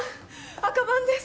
赤番です！